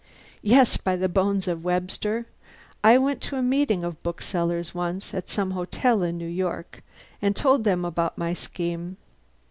Yes, by the bones of Webster! I went to a meeting of booksellers once, at some hotel in New York, and told 'em about my scheme.